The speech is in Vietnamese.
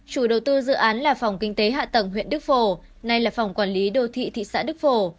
chủ đầu tư dự án là phòng kinh tế hạ tầng huyện đức phổ nay là phòng quản lý đô thị thị xã đức phổ